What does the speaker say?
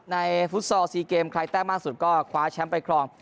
ฟุตซอล๔เกมใครแต้มมากสุดก็คว้าแชมป์ไปครอง